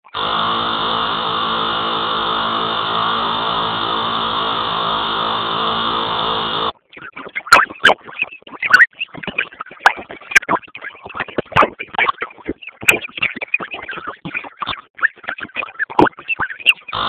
Oso eraginkorrak dira bakterio eta onddoen aurka.